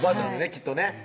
きっとね